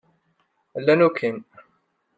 Llan ukin.